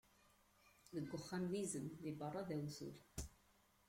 Deg uxxam d izem, di beṛṛa d awtul.